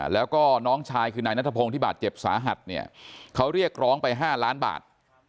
แล้วก็น้องชายคือนายนัทพงศ์ที่บาดเจ็บสาหัสเนี่ยเขาเรียกร้องไป๕ล้านบาท